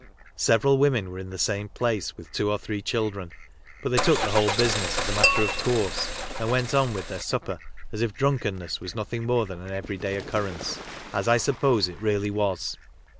Several women were in the same place with two or three children, but they took the whole business as a matter of course, and went on with their supper as if drunkenness was nothing more than an e very day occurrence, as I suppose it really was.